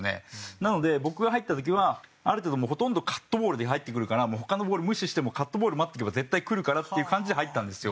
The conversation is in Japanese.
なので僕が入った時はある程度ほとんどカットボールで入ってくるから他のボール無視してもカットボール待っとけば絶対来るからっていう感じで入ったんですよ。